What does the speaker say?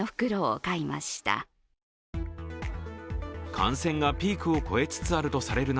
感染がピークを越えつつあるとされる中、